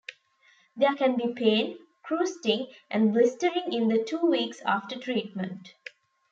There can be pain, crusting, and blistering in the two weeks after treatment.